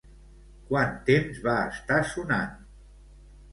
Quant temps va estar sonant?